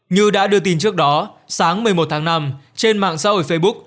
như đã đưa tin trước đó sáng một mươi một tháng năm trên mạng xã hội facebook